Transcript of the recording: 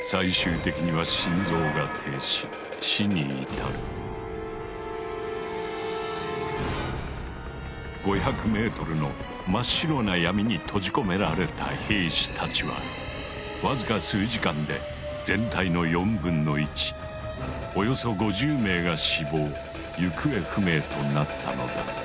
すると最終的には５００ｍの真っ白な闇に閉じ込められた兵士たちはわずか数時間で全体の４分の１およそ５０名が死亡行方不明となったのだ。